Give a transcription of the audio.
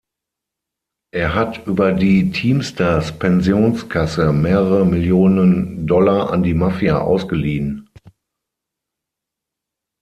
Er hat über die Teamsters Pensionskasse mehrere Millionen Dollar an die Mafia ausgeliehen.